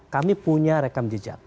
kami punya rekam jejak